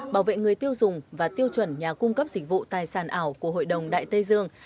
bảo vệ người tiêu dùng và tiêu chuẩn nhà cung cấp dịch vụ tài sản ảo của hội đồng đại tây dương